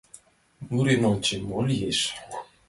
Мурен ончем, мо лиеш?